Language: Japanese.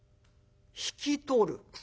「引き取る？